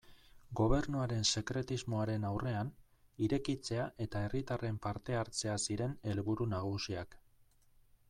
Gobernuaren sekretismoaren aurrean, irekitzea eta herritarren parte-hartzea ziren helburu nagusiak.